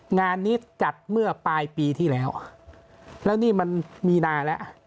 งานนี้จัดเมื่อปลายปีที่แล้วแล้วนี่มันมีนาแล้ว